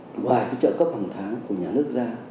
ngoài trợ cấp hàng tháng của nhà nước ra